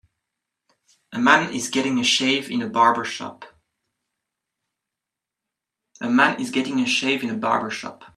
A man is getting a shave in a barber shop.